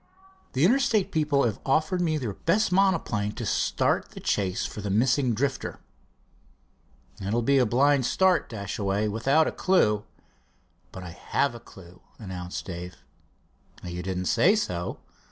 "The Interstate people have offered me their best monoplane to start the chase for the missing Drifter." "It will be a blind start, Dashaway, without a clew." "But I have a clew," announced Dave. "You didn't say so."